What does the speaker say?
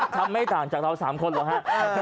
ไม่ต่างจากเรา๓คนเหรอฮะ